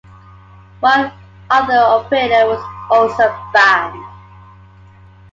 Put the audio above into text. One other operator was also banned.